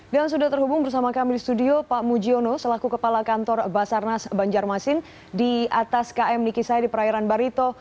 dan sudah terhubung bersama kami di studio pak mujiono selaku kepala kantor basarnas banjarmasin di atas km nikisai di perairan barito